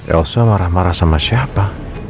elsa marah marah sama siapa